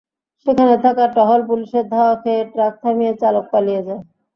সেখানে থাকা টহল পুলিশের ধাওয়া খেয়ে ট্রাক থামিয়ে চালক পালিয়ে যায়।